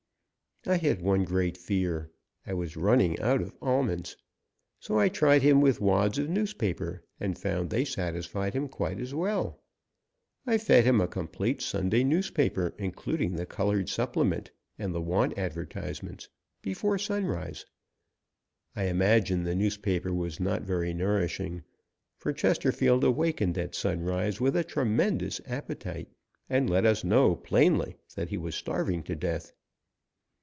I had one great fear. I was running out of almonds. So I tried him with wads of newspaper, and found they satisfied him quite as well. I fed him a complete Sunday newspaper, including the coloured supplement and the "want" advertisements, before sunrise. I imagine the newspaper was not very nourishing, for Chesterfield awakened at sunrise with a tremendous appetite, and let us know, plainly, that he was starving to death.